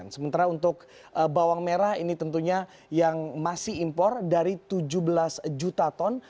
sementara untuk bawang merah ini tentunya yang masih impor dari tujuh belas juta ton